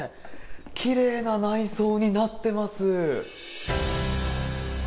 きれいな内装になってます。